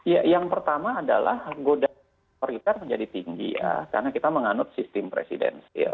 ya yang pertama adalah godaan otoriter menjadi tinggi ya karena kita menganut sistem presidensil